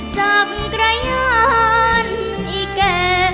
จับกระยานอีแก่